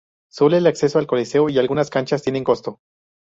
Solo el acceso al coliseo y a algunas canchas tiene costo.